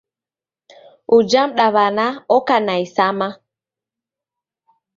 Uja mdaw'ana oka na isama.